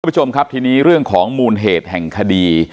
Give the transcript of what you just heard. ผู้ชมครับทีนี้เรื่องของมูลเหตุแห่งคดี